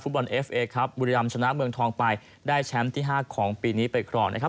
บอลเอฟเอครับบุรีรำชนะเมืองทองไปได้แชมป์ที่ห้าของปีนี้ไปครองนะครับ